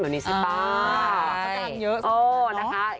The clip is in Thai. แบบนี้ใช่ป่ะ